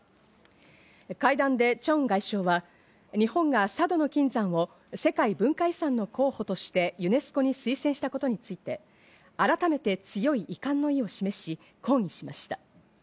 会談でチョン外相は日本が佐渡島の金山を世界文化遺産の候補としてユネスコに推薦したことについて、改めて強い遺憾の意を示し、抗議しました。